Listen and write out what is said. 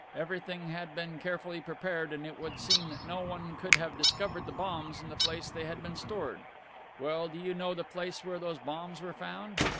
Everything had been carefully prepared and it would seem that no one could have discovered the bombs in the place they had been stored. Well, do you know the place where those bombs were found?